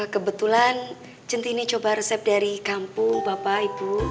kebetulan cinti ini coba resep dari kampung bapak ibu